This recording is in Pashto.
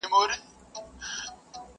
جهاني دا چي بلیږي یوه هم نه پاته کیږي،